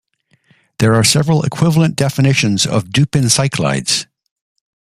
There are several equivalent definitions of Dupin cyclides.